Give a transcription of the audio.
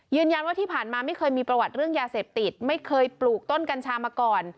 ยืนยันว่าที่ผ่านมาไม่เคยมีประวัติเรื่องยาเสพติดไม่เคยปลูกต้นกัญชามาก่อน